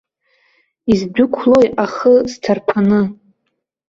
Издәықәлои ахы сҭарԥаны?